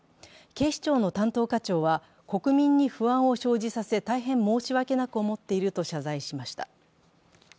警視庁の担当課長は、国民に不安を生じさせ大変申し訳なく思っていると謝罪しました。